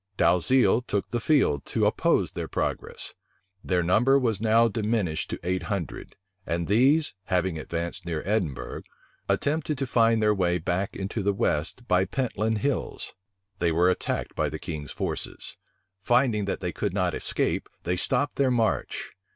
Dalziel took the field to oppose their progress. Their number was now diminished to eight hundred; and these, having advanced near Edinburgh, attempted to find their way back into the west by Pentland Hills. They were attacked by the king's forces.[*] Finding that they could not escape, they stopped their march.